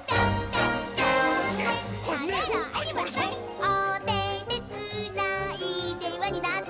「おててつないでわになって」